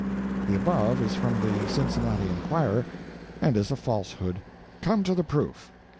The above is from the Cincinnati Enquirer, and is a falsehood. Come to the proof.